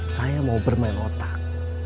saya mau bermain otak